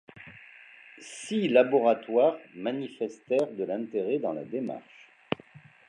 Six laboratoires manifestèrent de l'intérêt dans la démarche.